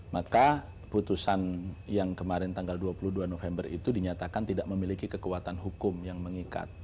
maka putusan yang kemarin tanggal dua puluh dua november itu dinyatakan tidak memiliki kekuatan hukum yang mengikat